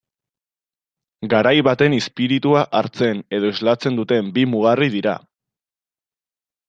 Garai baten izpiritua hartzen edo islatzen duten bi mugarri dira.